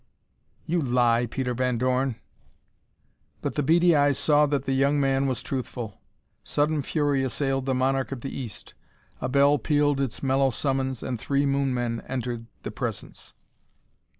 "You lie, Peter Van Dorn!" But the beady eyes saw that the young man was truthful. Sudden fury assailed the monarch of the East. A bell pealed its mellow summons and three Moon men entered the Presence.